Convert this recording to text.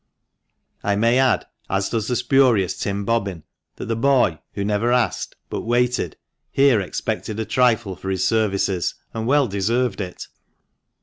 I may add, as does the spurious Tim Bobbin, that the boy, who never asked, but waited, here expected a trifle for his services, and well deserved it.